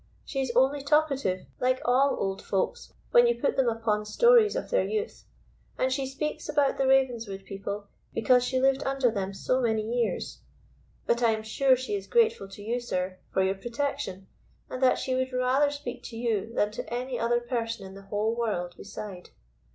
She is only talkative, like all old folk when you put them upon stories of their youth; and she speaks about the Ravenswood people, because she lived under them so many years. But I am sure she is grateful to you, sir, for your protection, and that she would rather speak to you than to any other person in the whole world beside.